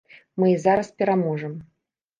Мы і зараз пераможам!